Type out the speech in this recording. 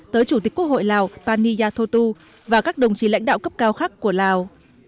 tới chủ tịch quốc hội lào pani yathotu và các đồng chí lãnh đạo cấp cao khác của lào